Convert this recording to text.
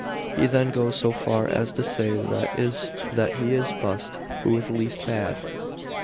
He even goes so far as to say that he is b> st who is least bad.